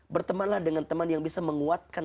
bertemanlah dengan teman yang bisa menguatkan